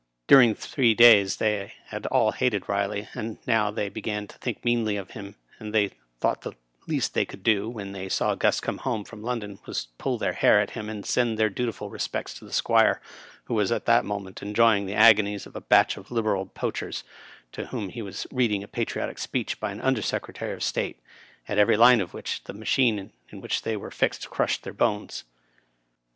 During three days they had all hated Biley, and now they began to think meanly of him ; and they thought the least they could do, when they saw Gus come home from London, was to pull their hair at him and send their dutiful respects to the Squire, who was at that mo ment enjoying the agonies of a batch of Liberal poach ers to whom he was reading a patrfotic speech by an Under Secretary of State, at every line of which the machine in which they were fixed crushed their bones.